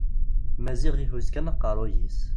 Maziɣ ihuz kan aqerruy-is.